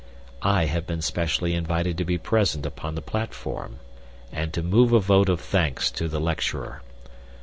I have been specially invited to be present upon the platform, and to move a vote of thanks to the lecturer.